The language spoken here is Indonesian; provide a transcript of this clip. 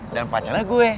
dan pacarnya gue